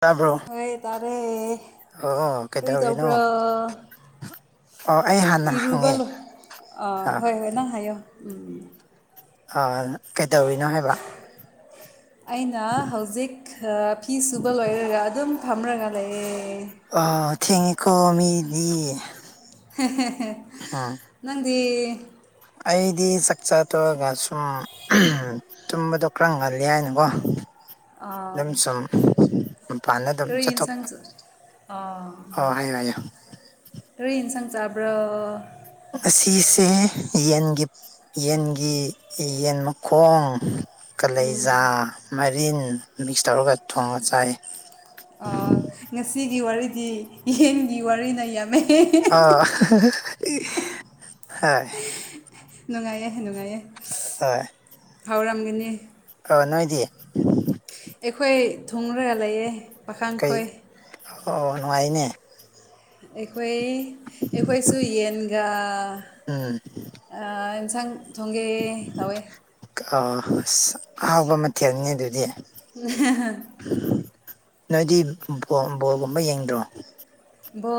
ꯇꯥꯕ꯭ꯔꯣ ꯐꯩ ꯇꯥꯔꯦ ꯑꯣ ꯀꯔꯤ ꯀꯩꯗꯧꯔꯤꯅꯣ ꯇꯧꯕ꯭ꯔꯣ ꯑꯣ ꯑꯩ ꯍꯥꯟꯅ ꯏꯔꯨꯕ ꯍꯪꯉꯦ ꯂꯣ ꯑ ꯑꯥ ꯍꯣꯏ ꯍꯣꯏ ꯅꯪ ꯍꯥꯏꯌꯣ ꯎꯝ ꯀꯩꯗꯧꯔꯤꯅꯣ ꯍꯥꯏꯕ ꯑꯩꯅ ꯍꯧꯖꯤꯛ ꯐꯤ ꯁꯨꯕ ꯂꯣꯏꯔꯒ ꯑꯗꯨꯝ ꯐꯝꯔꯒ ꯂꯩꯌꯦ ꯊꯦꯡꯉꯤꯀꯣ ꯃꯤꯗꯤ ꯎꯝ ꯅꯪꯗꯤ ꯑꯩꯗꯤ ꯆꯥꯛꯆꯥꯥ ꯇꯧꯔꯒꯁꯨꯨꯝ ꯇꯨꯝꯕꯗꯣ ꯈꯔ ꯉꯜꯂꯤ ꯍꯥꯏꯅꯀꯣ ꯑꯥ ꯑꯗꯨꯝ ꯁꯨꯝ ꯃꯄꯥꯟꯗ ꯑꯗꯨꯝ ꯆꯠꯊꯣꯛ ꯑ ꯑꯣ ꯍꯥꯏꯌꯣ ꯍꯥꯏꯌꯣ ꯍꯔ ꯏꯁꯥꯡ ꯆꯥꯕ꯭ꯔ ꯉꯁꯤꯁꯦ ꯌꯦꯟꯒꯤ ꯌꯦꯟꯒꯤ ꯌꯦꯟ ꯃꯈꯣꯡ ꯎꯝ ꯀꯂꯦꯖꯥ ꯃꯔꯤꯟ ꯃꯤꯛꯁ ꯇꯧꯔꯒ ꯊꯣꯡꯉꯒ ꯆꯥꯏ ꯉꯁꯤꯒꯤ ꯋꯥꯔꯤꯗꯤ ꯌꯦꯟꯒꯤ ꯋꯥꯔꯤꯅ ꯌꯥꯝꯃꯦ ꯑ ꯍ ꯅꯨꯡꯉꯥꯏꯌꯦꯍ ꯅꯨꯡꯉꯥꯏꯌꯦ ꯍ ꯈꯥꯎꯔꯝꯒꯅꯤ ꯑ ꯅꯣꯏꯗꯤꯌꯦ ꯑꯩꯈꯣꯏ ꯊꯨꯡꯔꯒ ꯂꯩꯌꯦꯦ ꯀꯩ ꯄꯥꯈꯥꯡꯈꯣꯏ ꯑꯣ ꯅꯨꯡꯉꯥꯏꯅꯦ ꯑꯩꯈꯣꯏ ꯑꯩꯈꯣꯏꯁꯨ ꯌꯦꯟꯒ ꯎꯝ ꯏꯟꯁꯥꯡ ꯊꯣꯡꯒꯦ ꯇꯧꯋꯦ ꯑ ꯑꯁ ꯑꯍꯥꯎꯕ ꯃꯊꯦꯜꯅꯤ ꯑꯗꯨꯗꯤ ꯍ ꯅꯣꯏꯗꯤ ꯕꯣꯜꯒꯨꯝꯕ ꯌꯦꯡꯗ꯭ꯔꯣ ꯕꯣ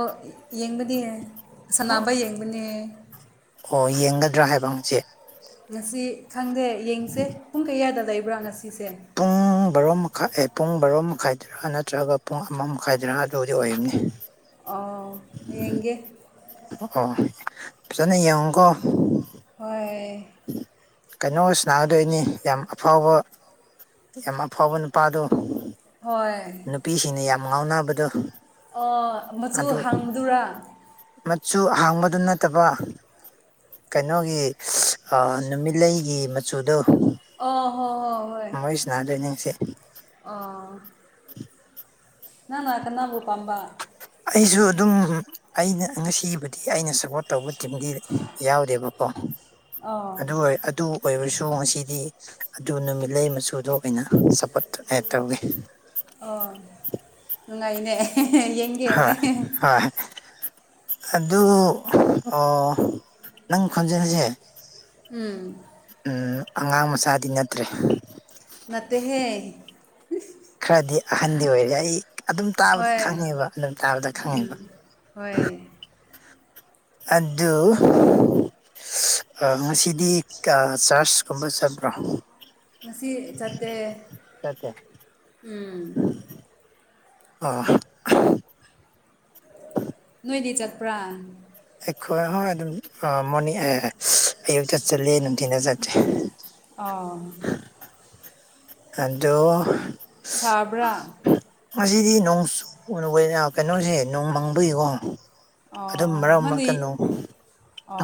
ꯌꯦꯡꯕꯅꯦ ꯁꯥꯟꯅꯕ ꯌꯦꯡꯕꯅꯦ ꯑꯣ ꯌꯦꯡꯒꯗ꯭ꯔꯥ ꯍꯥꯏꯕ ꯍꯪꯛꯆꯦ ꯉꯁꯤ ꯈꯪꯗꯦ ꯌꯦꯡꯁꯦ ꯄꯨꯡ ꯀꯌꯥꯗ ꯂꯩꯕ꯭ꯔꯥ ꯉꯁꯤꯁꯦ ꯄꯨꯡ ꯕꯥꯔꯣ ꯃꯈꯥꯏ ꯑꯦ ꯄꯨꯡ ꯕꯥꯔꯣ ꯃꯈꯥꯏꯗ ꯥ ꯅꯠꯇ꯭ꯔꯒ ꯄꯨꯡ ꯑꯃ ꯃꯈꯥꯏꯗ꯭ꯔꯥ ꯑꯗꯨꯗꯤ ꯑꯣꯏꯅꯤ ꯑꯥꯎ ꯌꯦꯡꯒꯦ ꯑꯣ ꯐꯖꯅ ꯌꯦꯡꯉꯨꯀꯣ ꯍꯣꯏ ꯀꯩꯅꯣ ꯑꯣꯏꯁꯨ ꯒꯗꯣꯏꯅꯤ ꯌꯥꯝ ꯑꯐꯥꯎꯕ ꯌꯥꯝ ꯐꯣꯕ ꯅꯨꯄꯥꯗ ꯍꯣꯏ ꯅꯨꯄꯤꯁꯤꯡꯅ ꯌꯥꯝ ꯉꯥꯎꯅꯕꯗꯣ ꯑꯣ ꯃꯆꯨ ꯑꯗꯨ ꯍꯥꯡꯕꯗꯨꯔꯥ ꯃꯆꯨ ꯍꯥꯡꯕꯗꯨ ꯅꯠꯇꯕ ꯀꯩꯅꯣꯒꯤ ꯅꯨꯃꯤꯠꯂꯩꯒꯤ ꯃꯆꯨꯗꯨꯣ ꯑꯣ ꯍꯣ ꯍꯣꯏ ꯍꯣꯏ ꯌꯥꯅꯥꯗ꯭ꯔꯦ ꯅꯤꯡꯁꯦ ꯑꯥ ꯅꯪ ꯉꯅꯥ ꯀ ꯅꯅꯥꯕꯨ ꯄꯥꯝꯕ ꯑꯩꯁꯨ ꯑꯗꯨꯝ ꯑꯩꯅ ꯉꯁꯤꯕꯨꯗꯤ ꯑꯩꯅ ꯁꯞꯄꯣꯔꯠ ꯇꯧꯕ ꯇꯤꯝꯗꯤ ꯂꯩ ꯌꯥꯎꯗꯦꯕꯀꯣ ꯑꯣ ꯑꯗꯨ ꯑꯣꯏ ꯑꯗꯨ ꯑꯣꯏꯔꯁꯨ ꯉꯁꯤꯗꯤ ꯑꯗꯨ ꯅꯨꯃꯤꯠꯂꯩ ꯃꯆꯨꯗꯣ ꯑꯩꯅ ꯁꯞꯄꯣꯔꯠ ꯇꯧꯏꯦ ꯑꯣ ꯅꯨꯡꯉꯥꯏꯅꯦ ꯌꯦꯡꯒꯦ ꯍꯣꯏ ꯍꯣꯏ ꯑꯗꯨ ꯅꯪ ꯈꯣꯟꯖꯔꯤꯁꯦ ꯎꯝ ꯎ ꯑꯉꯥꯡ ꯃꯆꯥꯗꯤ ꯅꯠꯇ꯭ꯔꯦ ꯅꯠꯇꯍꯦ ꯈꯔꯗꯤ ꯑꯍꯟꯗꯤ ꯑꯣꯏꯔꯦ ꯑꯩ ꯑꯗꯨꯝ ꯇꯥꯕꯗ ꯍꯣꯏ ꯈꯪꯉꯦꯕ ꯑꯗꯨꯝ ꯇꯥꯕꯗ ꯈꯪꯉꯦꯕ ꯍꯣꯏ ꯑꯗꯨ ꯉꯁꯤꯗꯤ ꯆꯥꯔꯆꯀꯨꯝꯕ ꯆꯠꯄ꯭ꯔꯣ ꯉꯁꯤ ꯆꯠꯇꯦ ꯆꯠꯇꯦ ꯎꯝ ꯑꯥ ꯅꯣꯏꯗꯤ ꯆꯠꯄ꯭ꯔꯥ ꯑꯩꯈꯣꯏ ꯍꯣꯏ ꯑꯗꯨꯝ ꯃꯣꯔꯅꯤꯡ ꯑꯌꯨꯛꯇ ꯆꯠꯂꯤ ꯅꯨꯡꯊꯤꯅ ꯆꯠꯇꯦ ꯑꯥ ꯑꯗꯣ ꯆꯕ꯭ꯔꯥ ꯉꯁꯤꯗꯤ ꯅꯣꯡ ꯆ ꯀꯩꯅꯣꯁꯦ ꯅꯣꯡ ꯃꯪꯕꯒꯤꯀꯣ ꯑꯗꯨꯝ ꯑꯣ ꯃꯔꯛ ꯅꯪꯗꯤ ꯃꯔꯛꯇꯅꯨ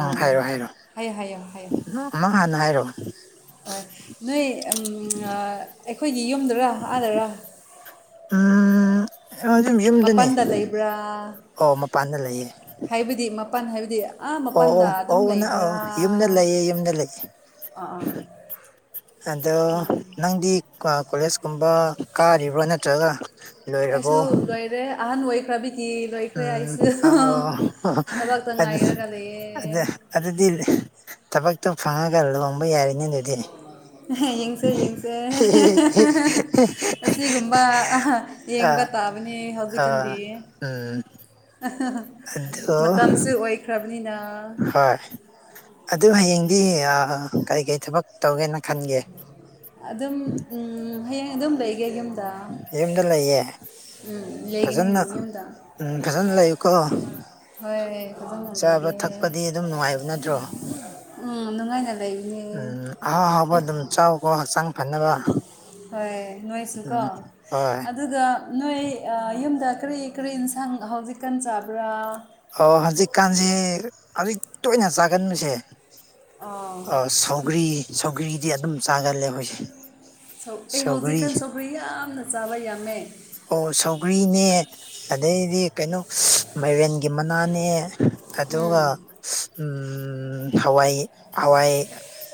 ꯎꯝ ꯍꯥꯏꯔꯣ ꯍꯥꯏꯔꯣ ꯍꯥꯏꯌꯣ ꯍꯥꯏꯌꯣ ꯍꯥꯏꯌꯣ ꯃꯥ ꯍꯥꯟꯅ ꯍꯥꯏꯔꯣ ꯍꯣꯏ ꯅꯣꯏ ꯑꯩꯈꯣꯏꯒꯤ ꯌꯨꯝꯗꯨꯔꯥ ꯑꯥꯗꯔꯥ ꯎ ꯑꯗꯨꯝ ꯌꯨꯝꯗꯅꯦ ꯃꯄꯥꯟꯗ ꯂꯩꯕ꯭ꯔꯥ ꯑꯣ ꯃꯄꯥꯟꯗ ꯂꯩꯌꯦ ꯍꯥꯏꯕꯗꯤ ꯃꯄꯥꯟ ꯍꯥꯏꯕꯗꯤ ꯑꯥ ꯑꯣ ꯃꯄꯟꯗ ꯑꯣ ꯑꯗꯨꯝ ꯑꯣ ꯅꯪ ꯑꯣ ꯂꯩꯕ꯭ꯔꯥ ꯌꯨꯝꯗ ꯂꯩꯌꯦ ꯌꯨꯝꯗ ꯂꯩꯌꯦ ꯑꯥ ꯑꯥ ꯑꯗꯣ ꯅꯪꯗꯤ ꯀꯣꯂꯦꯖꯀꯨꯝꯕ ꯀꯥꯔꯤꯕ꯭ꯔꯣ ꯅꯠꯇ꯭ꯔꯒ ꯂꯣꯏꯔꯕꯣ ꯑꯩꯁꯨ ꯂꯣꯏꯔꯦ ꯑꯍꯟ ꯑꯣꯏꯈ꯭ꯔꯕꯤꯗꯤ ꯂꯣꯏꯈ꯭ꯔꯦ ꯎꯝ ꯑꯩꯁꯨ ꯊꯕꯛꯇ ꯑꯗꯨ ꯉꯥꯏꯔꯒ ꯂꯩꯌꯦ ꯑꯗ ꯑꯗꯨꯗꯤ ꯊꯕꯛꯇꯣ ꯐꯪꯉꯒ ꯂꯣꯟꯝꯕ ꯌꯥꯔꯤꯅꯤ ꯑꯗꯨꯗꯤ ꯌꯦꯡꯁꯦ ꯌꯦꯡꯁꯦ ꯑꯁꯤꯒꯨꯝꯕ ꯌꯦꯡꯕ ꯑꯥ ꯇꯥꯕꯅꯤ ꯍꯧꯖꯤꯛꯀꯥꯟꯗꯤ ꯑꯥ ꯎꯝ ꯑꯗꯨ ꯃꯇꯝꯁꯦ ꯑꯣꯏꯈ꯭ꯔꯕꯅꯤꯅ ꯍꯣꯏ ꯑꯗꯨ ꯍꯌꯦꯡꯗꯤ ꯀꯩꯀꯩ ꯊꯕꯛ ꯇꯧꯒꯦꯅ ꯈꯟ ꯑꯗꯨꯝ ꯍꯌꯦꯡ ꯑꯗꯨꯝ ꯂꯩꯒꯦ ꯌꯨꯝꯗ ꯌꯨꯝꯗ ꯂꯩꯌꯦ ꯎꯝ ꯂꯩꯒꯅꯤ ꯐꯖꯅ ꯌꯨꯝꯗ ꯎꯝ ꯐꯖꯅ ꯂꯩꯌꯣꯀꯣ ꯍꯣꯏ ꯐꯖꯅ ꯆꯥꯕ ꯂꯩꯒꯦ ꯊꯛꯄꯗꯤ ꯑꯗꯨꯝ ꯅꯨꯡꯉꯥꯏꯕ ꯅꯠꯇ꯭ꯔꯣ ꯎꯝ ꯅꯨꯡꯉꯥꯏꯅꯦ ꯎꯝ ꯑꯥꯎ ꯍꯥꯎꯕ ꯑꯗꯨꯝ ꯆꯥꯎꯀꯣ ꯍꯛꯆꯥꯡ ꯐꯅꯕ ꯍꯣꯏ ꯅꯣꯏꯁꯨꯀꯣ ꯎꯝ ꯍꯣꯏ ꯑꯗꯨꯒ ꯅꯣꯏ ꯌꯨꯝꯗ ꯀꯔꯤ ꯀꯔꯤ ꯌꯦꯟꯁꯥꯡ ꯍꯧꯖꯤꯛꯀꯥꯟ ꯆꯥꯕ꯭ꯔꯥ ꯑꯣ ꯍꯧꯖꯤꯛꯀꯥꯟꯁꯦ ꯍꯧꯖꯤꯛ ꯇꯣꯏꯅ ꯆꯥꯒꯟꯕꯨꯁꯦ ꯑꯥ ꯁꯧꯒ꯭ꯔꯤ ꯁꯧꯒ꯭ꯔꯤꯗꯤ ꯑꯗꯨꯝ ꯆꯥꯒꯜꯂꯦ ꯑꯩꯈꯣꯏꯁꯦ ꯁ ꯑꯩ ꯁꯧꯒ꯭ꯔꯤ ꯍꯧꯖꯤꯛꯀꯥꯟ ꯁꯧꯒꯔꯤ ꯌꯥꯝꯅ ꯆꯥꯕ ꯌꯥꯝꯃꯦ ꯑꯣ ꯁꯧꯒ꯭ꯔꯤꯅꯦ ꯑꯗꯩꯗꯤ ꯀꯩꯅꯣ ꯃꯥꯏꯔꯦꯟ ꯒꯤ ꯃꯅꯥꯅꯦ ꯎꯝ ꯑꯗꯨꯒ ꯎꯝ ꯍꯋꯥꯏ ꯍꯋꯥꯏ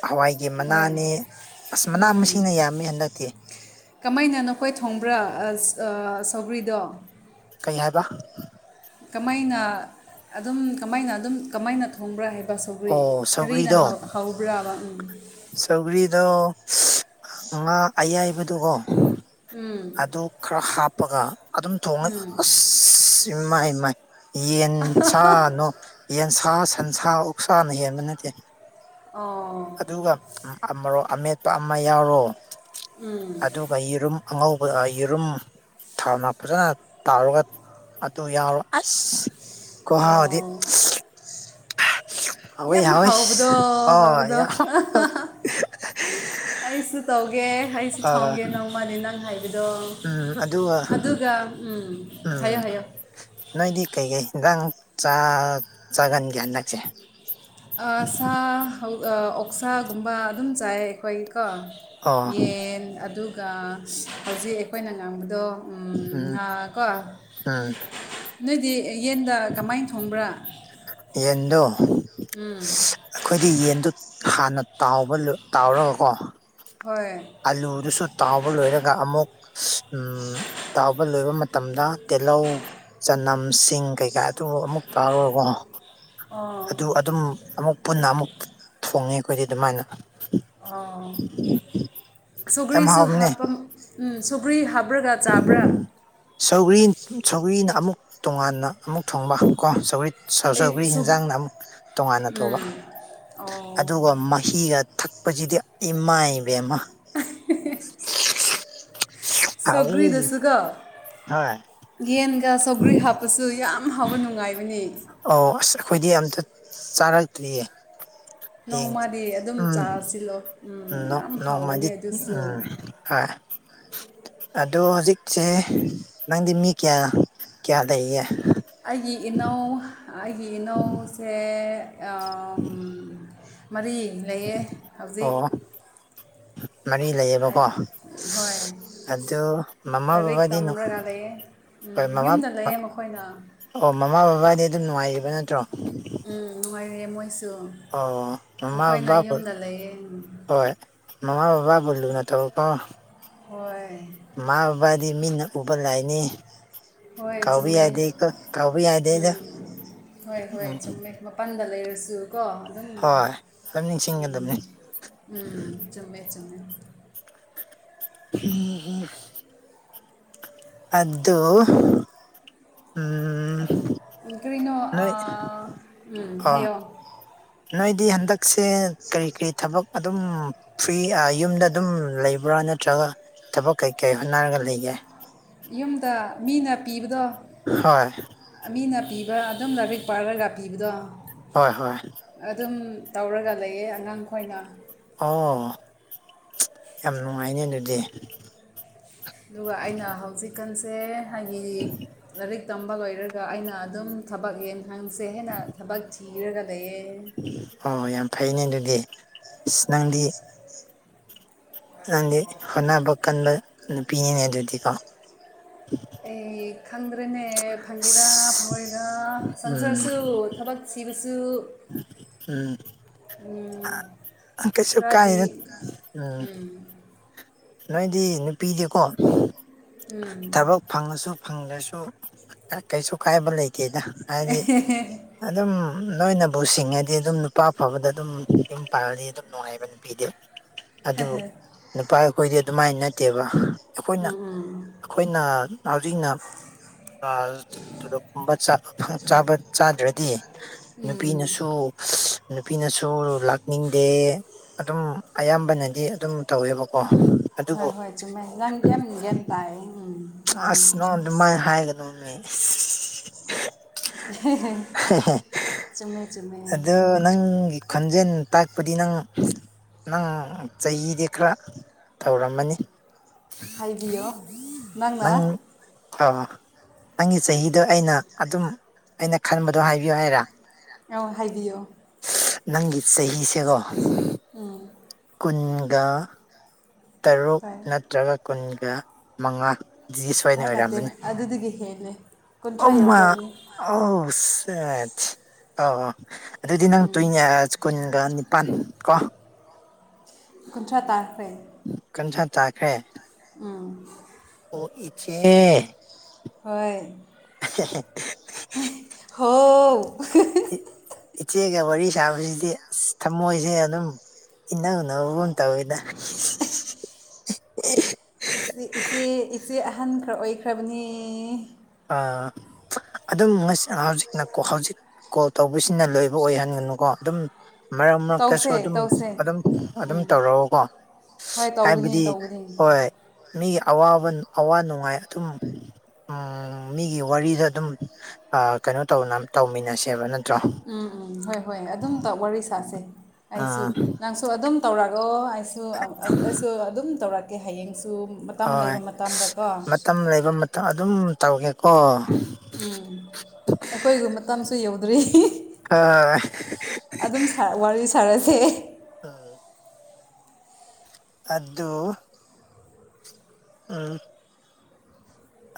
ꯍꯋꯥꯏꯒꯤ ꯍꯣꯏ ꯃꯅꯥꯅꯦ ꯑꯁ ꯃꯅꯥ ꯎꯝ ꯃꯁꯤꯡꯅ ꯌꯥꯝꯃꯤ ꯍꯟꯗꯛꯇꯤ ꯀꯃꯥꯏꯅ ꯅꯈꯣꯏ ꯊꯣꯡꯕ꯭ꯔꯥ ꯑ ꯁꯧꯒ꯭ꯔꯤꯗꯣ ꯀꯩ ꯍꯥꯏꯕ ꯀꯃꯥꯏꯅ ꯑꯗꯨꯝ ꯀꯃꯥꯏꯅ ꯑꯗꯨꯝ ꯀꯃꯥꯏꯅ ꯊꯣꯡꯕ꯭ꯔꯥ ꯍꯥꯏꯕ ꯁꯒꯔꯤ ꯑꯣ ꯀꯔꯤꯅ ꯍꯧꯕ꯭ꯔꯥꯕ ꯎꯝ ꯆꯧꯒ꯭ꯔꯤꯗꯣ ꯉꯥ ꯑꯌꯥꯏꯕꯗꯨꯀꯣ ꯎꯝ ꯑꯗꯨ ꯈꯔ ꯍꯥꯞꯄꯒ ꯑꯗꯨꯝ ꯊꯣꯡꯉꯦ ꯎꯝ ꯑꯁ ꯃꯥꯏ ꯃꯥꯏ ꯌꯦꯟꯁꯥꯅꯣ ꯌꯦꯟꯁ ꯁꯟꯁꯥ ꯑꯣꯛꯁꯥꯅ ꯍꯦꯟꯕ ꯅꯠꯇꯦ ꯑꯣ ꯑꯗꯨꯒ ꯑꯃ ꯑꯃꯦꯠꯄ ꯑꯃ ꯌꯥꯎꯔꯣ ꯎꯝ ꯑꯗꯨꯒ ꯌꯦꯔꯨꯝ ꯑꯉꯧꯕ ꯌꯦꯔꯨꯝ ꯊꯥꯎꯅ ꯐꯖꯅ ꯇꯥꯎꯔꯒ ꯑꯗꯨ ꯌꯥꯎꯔꯣ ꯑꯁ ꯈꯣꯍꯥꯎꯥꯗꯤ ꯑꯣ ꯍꯥꯎꯋꯤ ꯌꯥꯝ ꯍꯥꯎꯋꯤ ꯍꯕꯗꯣ ꯑꯣ ꯍꯧꯕꯗꯣ ꯌꯥꯝ ꯑꯩꯁꯨ ꯇꯧꯒꯦ ꯑꯩꯁꯨ ꯑ ꯊꯣꯡꯒꯦ ꯅꯣꯡꯃꯜꯅꯦ ꯅꯪ ꯍꯥꯏꯕꯗꯣ ꯎꯝ ꯑꯗꯨꯒ ꯑꯗꯨꯒ ꯎꯝ ꯎꯝ ꯍꯥꯏꯌꯣ ꯍꯥꯏꯌꯣ ꯅꯣꯏꯗꯤ ꯀꯩꯀꯩ ꯍꯟꯖꯥꯡ ꯆꯥꯒꯟꯒꯦ ꯍꯟꯗꯛꯁꯦ ꯁꯥ ꯑꯣꯛꯁꯥꯒꯨꯝꯕ ꯑꯗꯨꯝ ꯆꯥꯏ ꯑꯩꯈꯣꯏ ꯀꯣ ꯑꯣ ꯌꯦꯟ ꯑꯗꯨꯒ ꯍꯧꯖꯤꯛ ꯑꯩꯈꯣꯏꯅ ꯉꯥꯡꯕꯗꯣ ꯎꯝ ꯉꯥ ꯀꯣ ꯍ ꯅꯣꯏꯗꯤ ꯌꯦꯟꯗ ꯀꯃꯥꯏꯅ ꯊꯣꯡꯕ꯭ꯔꯥ ꯌꯦꯟꯗꯨ ꯎꯝ ꯑꯩꯈꯣꯏꯗꯤ ꯌꯦꯟꯗꯨ ꯍꯥꯟꯅ ꯇꯥꯎꯕ ꯇꯥꯎꯔꯒꯀꯣ ꯍꯣꯏ ꯑꯂꯨꯗꯨꯁꯨ ꯇꯥꯎꯕ ꯂꯣꯏꯔꯒ ꯑꯃꯨꯛ ꯎ ꯇꯥꯎꯕ ꯂꯣꯏꯕ ꯃꯇꯝꯗ ꯇꯤꯍꯧ ꯆꯅꯝ ꯁꯤꯡ ꯀꯩꯀꯥ ꯑꯗꯨ ꯑꯃꯨꯛ ꯇꯥꯔꯨꯔꯀꯣ ꯑꯣ ꯑꯗꯨ ꯑꯗꯨꯝ ꯑꯃꯨꯛ ꯄꯨꯟꯅ ꯑꯃꯨꯛ ꯐꯣꯡꯉꯦ ꯑꯩꯈꯣꯏꯗꯤ ꯑꯗꯨꯃꯥꯏꯅ ꯑ ꯌꯥꯝ ꯁꯨꯒꯔꯤꯁꯨ ꯍꯥꯎꯕꯅꯦ ꯍꯥꯞꯄ ꯎꯝ ꯁꯨꯒ꯭ꯔꯤ ꯍꯥꯕ꯭ꯔꯥꯒ ꯆꯥꯕ꯭ꯔꯥ ꯁꯧꯔꯤꯅ ꯑꯃꯨꯛ ꯇꯣꯉꯥꯟꯅ ꯑꯃꯨꯛ ꯊꯣꯡꯕ ꯀꯣ ꯁꯧꯔꯤ ꯁꯧ ꯑꯩ ꯁꯧꯒ꯭ꯔꯤ ꯍꯟꯖꯥꯡꯅ ꯑꯃꯨꯛ ꯇꯣꯉꯥꯟꯅ ꯇꯧꯕ ꯎꯝ ꯑꯣ ꯑꯗꯨꯒ ꯍꯤꯒ ꯊꯛꯄꯁꯤꯗꯤ ꯏꯃꯥꯏ ꯏꯕ ꯑꯃ ꯍ ꯁꯒꯂꯤ ꯍꯥꯎꯋꯤ ꯗꯁꯒ ꯍꯣꯏ ꯌꯦꯟꯒ ꯆꯧꯒ꯭ꯔꯤ ꯍꯥꯞꯄꯁꯨ ꯌꯥꯝ ꯍꯥꯎꯕ ꯅꯨꯡꯉꯥꯏꯕꯅꯤ ꯑꯣ ꯑꯁ ꯑꯩꯈꯣꯏꯗꯤ ꯑꯝꯇ ꯆꯥꯔꯛꯇ꯭ꯔꯤꯌꯦ ꯍꯌꯦꯡ ꯅꯣꯡꯃꯗꯤ ꯑꯗꯨꯝ ꯎꯝ ꯆꯥꯁꯤꯜꯂꯣ ꯎꯝ ꯌꯥꯝ ꯍꯥꯎꯋꯅꯦ ꯑꯗꯨꯁꯨ ꯍ ꯑꯗꯣ ꯍꯧꯖꯤꯛꯁꯦ ꯅꯪꯗꯤ ꯃꯤ ꯀꯌꯥ ꯀꯌꯥ ꯂꯩꯌꯦ ꯑꯩꯒꯤ ꯏꯅꯧ ꯑꯩꯒꯤ ꯏꯅꯧꯁꯦ ꯃꯔꯤ ꯂꯩꯌꯦ ꯍꯧꯖꯤꯛ ꯑꯣ ꯃꯔꯤ ꯂꯩꯌꯦꯕꯀꯣ ꯍꯣꯏ ꯑꯗꯨ ꯃꯃꯥ ꯂꯔꯤꯛ ꯕꯕꯥꯗꯤ ꯇꯝꯔ ꯉꯗꯦ ꯎꯝ ꯍꯣꯏ ꯃꯃꯥ ꯌꯨꯝꯗ ꯂꯩꯌꯦ ꯃꯈꯣꯏꯅ ꯑꯣ ꯃꯃꯥ ꯕꯕꯥꯗꯤ ꯑꯗꯨꯝ ꯅꯨꯡꯉꯥꯏꯔꯤꯕ ꯅꯠꯇ꯭ꯔꯣ ꯎꯝ ꯅꯨꯡꯉꯥꯏꯔꯦ ꯃꯣꯏꯁꯨ ꯑꯣ ꯃꯃꯥ ꯃꯈꯣꯏꯅ ꯕꯕꯥꯕꯨ ꯌꯨꯝꯗ ꯂꯩꯌꯦ ꯍꯣꯏ ꯃꯃꯥ ꯕꯕꯥ ꯣꯂꯨ ꯅꯠꯇꯣ ꯀꯣ ꯍꯣꯏ ꯃꯥ ꯕꯕꯥꯗꯤ ꯃꯤꯅ ꯎꯕ ꯂꯥꯛꯏꯅꯤ ꯍꯣꯏ ꯆꯨꯝꯃꯦ ꯀꯥꯎꯕ ꯌꯥꯗꯦꯗ ꯎꯝ ꯍꯣꯏ ꯍꯣꯏ ꯎꯝ ꯆꯨꯝꯃꯦ ꯃꯄꯜꯗ ꯂꯩꯔꯁꯨ ꯀꯣ ꯑꯗꯨꯝ ꯍꯣꯏ ꯑꯗꯨꯝ ꯎꯝ ꯅꯤꯡꯁꯤꯡꯒꯗꯕꯅꯤ ꯎꯝ ꯆꯨꯝꯃꯦ ꯆꯨꯝꯃꯦ ꯎꯝ ꯎꯝ ꯑꯗꯨꯗꯨ ꯎꯝ ꯀꯔꯤꯩꯅꯣ ꯅꯣꯏ ꯎꯝ ꯑꯣ ꯍꯥꯏꯌꯣ ꯅꯣꯏꯗꯤ ꯍꯟꯗꯛꯁꯦ ꯀꯔꯤ ꯀꯔꯤ ꯊꯕꯛ ꯑꯗꯨꯝ ꯐ꯭ꯔꯤ ꯌꯨꯝꯗ ꯑꯗꯨꯝ ꯂꯩꯕ꯭ꯔꯥ ꯅꯠꯇ꯭ꯔꯒ ꯊꯕꯛ ꯀꯩ ꯀꯩ ꯍꯣꯠꯅꯔꯒ ꯂꯩꯒꯦ ꯌꯨꯝꯗ ꯃꯤꯅ ꯄꯤꯕꯗꯣ ꯍꯣꯏ ꯃꯤꯅ ꯄꯤꯕ ꯑꯗꯨꯝ ꯂꯥꯏꯔꯤꯛ ꯄꯥꯔꯒ ꯄꯤꯕꯗꯣ ꯍꯣꯏ ꯍꯣꯏ ꯑꯗꯨꯝ ꯇꯧꯔꯒ ꯂꯩꯌꯦ ꯑꯉꯥꯡ ꯈꯣꯏꯅ ꯑꯣ ꯌꯥꯝ ꯅꯨꯡꯉꯥꯏꯅꯦ ꯑꯗꯨꯗꯤ ꯑꯗꯨꯒ ꯑꯩꯅ ꯍꯧꯖꯤꯛꯀꯥꯟꯁꯦ ꯍꯥꯏꯗꯤ ꯂꯥꯏꯔꯤꯛ ꯇꯝꯕ ꯂꯣꯏꯔꯒ ꯑꯩꯅ ꯑꯗꯨꯝ ꯊꯕꯛ ꯌꯦꯡꯍꯟꯁꯦ ꯍꯥꯏꯅ ꯊꯕꯛ ꯊꯤꯔꯒ ꯂꯩꯌꯦ ꯑꯣ ꯌꯥꯝ ꯐꯩꯅꯦ ꯑꯗꯨꯗꯤ ꯑꯁ ꯅꯪꯗꯤ [inaudible] ꯅꯪꯗꯤ ꯍꯣꯠꯅꯕ ꯀꯟꯕ ꯅꯨꯄꯤꯅꯤꯅꯦ ꯑꯗꯨꯗꯤꯀꯣ ꯑꯩ ꯈꯪꯗ꯭ꯔꯦꯅꯦ ꯐꯪꯒꯤꯔꯥ ꯑꯁ ꯐꯣꯏꯔ ꯎꯝ ꯁꯪꯁꯥꯔꯁꯨ ꯊꯕꯛ ꯊꯤꯕꯁꯨ [unintelligible] ꯎꯝ ꯎꯝ ꯀꯩꯁꯨ ꯈꯔꯗꯤ ꯀꯥꯏꯗ ꯎꯝ ꯅꯣꯏꯗꯤ ꯅꯨꯄꯤꯗꯤꯀꯣ ꯎꯝ ꯊꯕꯛ ꯐꯪꯉꯁꯨ ꯐꯪꯗ꯭ꯔꯁꯨ ꯀꯩꯁꯨ ꯀꯥꯏꯕ ꯂꯩꯇꯦꯗ ꯍꯥꯏꯗꯤ ꯑꯗꯨꯝ ꯅꯣꯏꯅꯕꯨ ꯁꯤꯡꯉꯗꯤ ꯑꯗꯨꯝ ꯅꯨꯄꯥ ꯑꯐꯕꯗ ꯑꯗꯨꯝ ꯌꯨꯝ ꯄꯥꯜꯂꯗꯤ ꯑꯗꯨꯝ ꯅꯨꯡꯉꯥꯏꯕ ꯅꯨꯄꯤꯗꯤ ꯑꯗꯨ ꯅꯨꯄꯥ ꯑꯩꯈꯣꯏꯗꯤ ꯑꯗꯨꯃꯥꯏꯅ ꯅꯠꯇꯦꯕ ꯑꯩꯈꯣꯏꯅ ꯎꯝ ꯎꯝ ꯑꯩꯈꯣꯏꯅ ꯍꯧꯖꯤꯛꯅ ꯃꯥꯄꯜ ꯊꯣꯛꯂꯞꯀꯨꯝꯕ ꯆꯥꯕ ꯆꯥꯗ꯭ꯔꯗꯤ ꯅꯨꯄꯤꯅꯁꯨ ꯅꯨꯄꯤꯅꯁꯨ ꯂꯥꯛꯅꯤꯡꯗꯦ ꯑꯗꯨꯝ ꯑꯌꯥꯝꯕꯅꯗꯤ ꯑꯗꯨꯝ ꯇꯧꯋꯦꯕ ꯑꯣ ꯍꯣꯏ ꯍꯣꯏ ꯆꯨꯝꯃꯦ ꯅꯪꯗꯤ ꯌꯥꯝ ꯒꯌ꯭ꯥꯟ ꯇꯥꯏꯌꯦ ꯆꯨꯝꯃꯦ ꯑꯁ ꯅꯪ ꯑꯗꯨꯃꯥꯏꯅ ꯍꯥꯏꯒꯅꯣꯃꯦ [unintelligible] ꯆꯨꯝꯃꯦ ꯆꯨꯝꯃꯦ ꯑꯗꯨ ꯅꯪꯒꯤ ꯈꯣꯟꯖꯦꯜꯅ ꯇꯥꯛꯄꯗꯤ ꯅꯪ ꯅꯪ ꯆꯍꯤꯗꯤ ꯈꯔ ꯇꯧꯔꯝꯃꯅꯤ ꯍꯥꯏꯕꯤꯌꯣ ꯅꯪꯅ ꯅꯪ ꯗꯣ ꯅꯪꯒꯤ ꯆꯍꯤꯗꯣ ꯑꯩꯅ ꯑꯗꯨꯝ ꯑꯩꯅ ꯈꯟꯕꯗꯣ ꯍꯥꯏꯕꯤꯌꯨ ꯍꯥꯏꯔꯥ ꯑꯎ ꯍꯥꯏꯕꯤꯌꯣ ꯅꯪꯒꯤ ꯆꯍꯤꯁꯦꯀꯣ ꯎꯝ ꯀꯨꯟꯒ ꯇꯔꯨꯛ ꯍꯣꯏ ꯅꯠꯇ꯭ꯔꯒ ꯀꯨꯟꯒ ꯃꯉꯥ ꯁꯣꯏꯅ ꯑꯣꯏꯔꯝꯅꯤ ꯑꯗꯨꯗꯤꯗꯒꯤ ꯍꯦꯟꯂꯦ ꯑꯣ ꯃ ꯑꯣ ꯁꯦꯠ ꯑꯣ ꯑꯣ ꯑꯗꯨꯗꯤ ꯅꯪ ꯇꯨꯏ ꯀꯨꯟꯒ ꯅꯤꯄꯥꯟ ꯀꯣ ꯀꯨꯟꯊ꯭ꯔꯥ ꯇꯥꯈꯔꯦ ꯀꯨꯟꯊ꯭ꯔꯥ ꯇꯥꯈ꯭ꯔꯦ ꯎꯝ ꯑꯣ ꯏꯆꯦ ꯍꯣꯏ ꯍꯣ ꯏꯆꯦꯒ ꯋꯥꯔꯤ ꯁꯥꯕꯁꯤꯗꯤ ꯑꯁ ꯊꯝꯃꯣꯏꯁꯦ ꯑꯗꯨꯝ ꯏꯅꯧꯅꯒ ꯇꯧꯋꯤꯗ [unintelligible] ꯆꯤꯆꯦ ꯏꯆꯦ ꯏꯆꯦ ꯑꯍꯟ ꯈꯔ ꯑꯣꯏꯈ꯭ꯔꯕꯅꯤ ꯑꯥ ꯑꯗꯨꯝ ꯍꯧꯖꯤꯛ ꯍꯧꯖꯤꯛ ꯀꯣꯜ ꯇꯧꯕꯁꯤꯅ ꯂꯣꯏꯕ ꯑꯣꯏꯍꯟꯒꯅꯨꯀꯣ ꯑꯗꯨꯝ ꯃꯔꯛ ꯃꯔꯛꯇꯁꯨ ꯇꯧꯁꯦ ꯑꯗꯨꯝ ꯇꯧꯁꯦ ꯑꯗꯨꯝ ꯑꯗꯨꯝ ꯎꯝ ꯇꯧꯔꯛꯑꯣꯀꯣ ꯍꯣꯏ ꯍꯥꯏꯕꯗꯤ ꯇꯧꯒꯅꯤ ꯇꯧꯒꯅꯤ ꯍꯣꯏ ꯃꯤꯒꯤ ꯑꯋꯥꯕ ꯑꯋꯥ ꯅꯨꯡꯉꯥꯏ ꯑꯗꯨꯝ ꯎꯝ ꯃꯤꯒꯤ ꯋꯥꯔꯤꯗ ꯑꯗꯨꯝ ꯀꯩꯅꯣ ꯇꯧꯅ ꯇꯧꯃꯤꯟꯅꯁꯦꯕ ꯅꯠꯇ꯭ꯔꯣ ꯎꯝ ꯎꯝ ꯍꯣꯏ ꯍꯣꯏ ꯑꯗꯨꯝ ꯇꯧ ꯋꯥꯔꯤ ꯁꯥꯥꯁꯦ ꯑꯩꯁꯨ ꯑꯥ ꯅꯪꯁꯨ ꯑꯗꯨꯝ ꯇꯧꯔꯛꯑꯣ ꯑꯩꯁꯨ ꯑꯩꯁꯨ ꯑꯗꯨꯝ ꯇꯧꯔꯛꯀꯦ ꯍꯌꯦꯡꯁꯨ ꯃꯇꯝ ꯂꯩꯕ ꯃꯇꯝꯗ ꯀꯣ ꯃꯥꯇꯝ ꯂꯩꯕ ꯑꯗꯨꯝ ꯇꯧꯒꯦꯀꯣ ꯎꯝ ꯑꯩꯈꯣꯏꯒꯤ ꯃꯇꯝꯁꯨ ꯌꯧꯗ꯭ꯔꯤ ꯑꯥ [unintelligible] [unintelligible] ꯋꯥꯔꯤ ꯁꯥꯔꯁꯦ ꯎꯝ ꯑꯗꯨ ꯎꯝ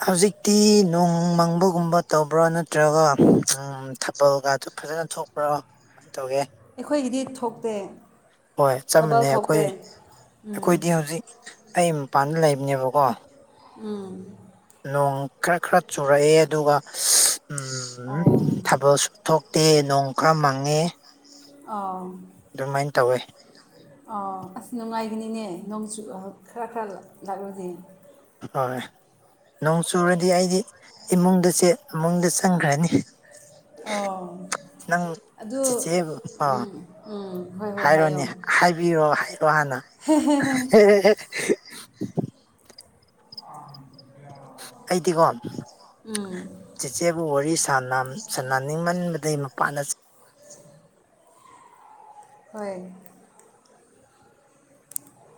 ꯍꯧꯖꯤꯛꯇꯤ ꯅꯣꯡ ꯃꯪꯕꯒꯨꯝꯕ ꯇꯧꯕ꯭ꯔꯥ ꯅꯠꯇ꯭ꯔꯒ [unintelligible] ꯎꯝ ꯊꯥꯅꯜꯒꯗꯨ ꯐꯖꯅ ꯊꯣꯛꯄ꯭ꯔꯣ ꯀꯃꯥꯏ ꯇꯧꯒꯦ ꯑꯩꯈꯣꯏꯒꯤꯗꯤ ꯊꯣꯛꯇꯦ ꯍꯣꯏ ꯆꯞ ꯊꯕꯜ ꯃꯥꯟꯅꯩ ꯑꯩꯈꯣꯏ ꯊꯣꯛꯇꯦ ꯎꯝ ꯑꯩꯈꯣꯏꯗꯤ ꯍꯧꯖꯤꯛ ꯑꯩ ꯃꯄꯥꯟꯗ ꯂꯩꯕꯅꯦꯕꯀꯣ ꯎꯝ ꯅꯣꯡ ꯈꯔ ꯈꯔ ꯆꯨꯔꯛꯑꯦ ꯑꯗꯨꯒ [unintelligible] ꯎꯝ ꯑꯣ ꯊꯥꯕꯜꯁꯨ ꯊꯣꯛꯇꯦ ꯅꯣꯡ ꯈꯔ ꯃꯪꯉꯦ ꯑꯥꯎ ꯗꯨꯃꯥꯏꯅ ꯇꯧꯋꯦ ꯑꯣ ꯑꯁ ꯅꯨꯡꯉꯥꯏꯒꯅꯤꯅꯦ ꯅꯣꯡꯁꯨ ꯑꯃꯨꯛ ꯈꯔ ꯈꯔ [unintelligible] ꯂꯥꯛꯂꯗꯤ ꯍꯣꯏ [unintelligible] ꯅꯣꯡ ꯆꯨꯔꯗꯤ ꯑꯩꯗꯤ ꯏꯃꯨꯡꯗ ꯆꯦ ꯏꯃꯨꯡꯗ ꯆꯪꯈ꯭ꯔꯅꯤ ꯑꯣ ꯅꯪ ꯑꯗꯨ ꯆꯤꯆꯦꯕꯨ ꯑꯥ ꯎꯝ ꯎꯝ ꯍꯣꯏ ꯍꯣꯏ ꯍꯥꯏꯌꯣ ꯍꯥꯏꯔꯣꯅꯦ ꯍꯥꯏꯕꯤꯔꯣ ꯍꯥꯏꯔꯣ ꯍꯥꯟꯅ [unintelligible] [inaudible] ꯑꯩꯗꯤꯀꯣ ꯎꯝ ꯆꯦꯆꯦꯕꯨ ꯋꯥꯔꯤ ꯁꯥꯅꯝ ꯁꯥꯅꯅꯤꯡꯃꯟꯕꯗꯩ ꯃꯄꯥꯟꯗ [unintelligible] ꯍꯣꯏ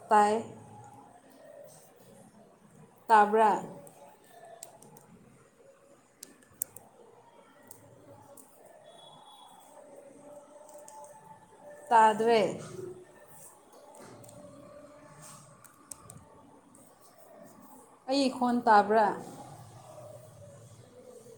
ꯄꯥꯏ ꯇꯥꯕ꯭ꯔꯥ ꯇꯥꯗ꯭ꯔꯦ ꯑꯩꯒꯤ ꯈꯣꯟ ꯇꯥꯕ꯭ꯔꯥ